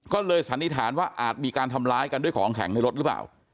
ก็เลยสันนิษฐานว่าอาจมีการทำร้ายกันด้วยของแข็งในรถหรือเปล่า